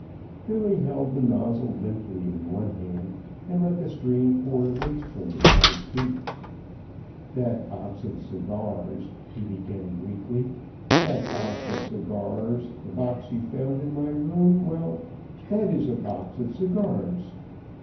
Billy held the nozzle limply in one hand and let the stream pour wastefully at his feet. "That box of cigars " he began weakly. "That box of cigars, the box you found in my room, well, that is a box of cigars.